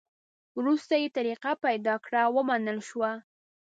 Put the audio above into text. وروسته یې طریقه پیدا کړه؛ ومنل شوه.